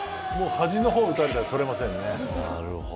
端の方打たれたら取れませんね。